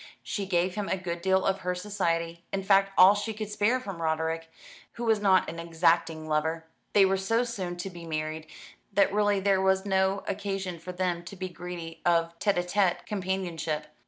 She gave him a good deal of her society, in fact all she could spare from Roderick, who was not an exacting lover. They were so soon to be married that really there was no occasion for them to be greedy of tête à tête companionship.